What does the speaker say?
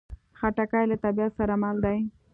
خټکی له طبیعت سره مل دی.